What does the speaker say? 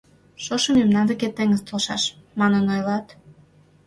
— Шошым мемнан деке теҥыз толшаш, манын ойлат?